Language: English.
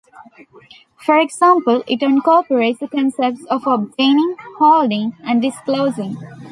For example, it incorporates the concepts of "obtaining", "holding" and "disclosing".